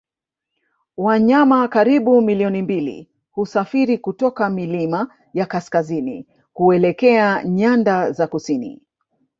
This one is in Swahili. Wanyama karibu milioni mbili husafiri kutoka milima ya kaskazini kuelekea nyanda za kusini